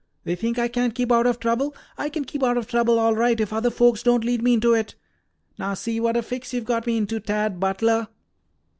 They think I can't keep out of trouble. I can keep out of trouble all right if other folks don't lead me into it. Now see what a fix you've got me into, Tad Butler!"